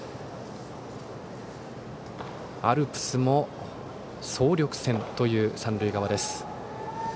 アルプスも総力戦という三塁側です。